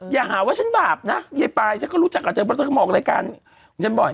อย่าหาว่าฉันบาปนะยายปลายฉันก็รู้จักกับเจ้าบริษัทมองรายการของฉันบ่อย